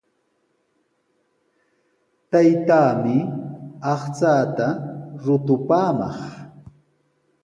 Taytaami aqchaata rutupaamaq.